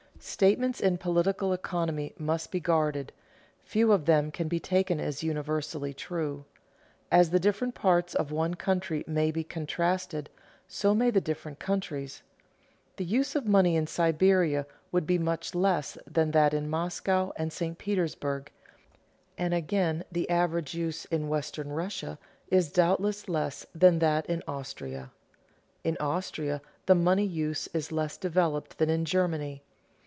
_ Statements in political economy must be guarded; few of them can be taken as universally true. As the different parts of one country may be contrasted, so may the different countries. The use of money in Siberia would be much less than that in Moscow and St. Petersburg, and again the average use in Western Russia is doubtless less than that in Austria. In Austria the money use is less developed than in Germany.